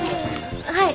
はい。